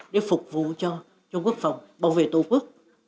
để phục vụ cho quốc phòng bảo vệ tổ quốc